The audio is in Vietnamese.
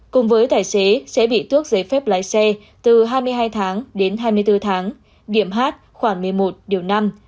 cùng với tài xế sẽ bị tước giấy phép lái xe từ hai mươi hai tháng đến hai mươi bốn tháng điểm h khoảng một mươi một điều năm